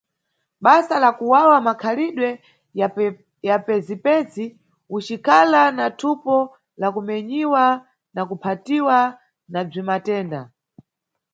Basa la kuwawa, makhalidwe ya pezipezi, ucikhala na thupo la kumenyiwa na kuphatiwa na bzwimatenda.